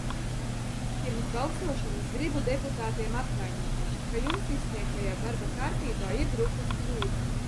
Pirms balsošanas gribu deputātiem atvainoties, ka jums izsniegtajā darba kārtībā ir drukas kļūda.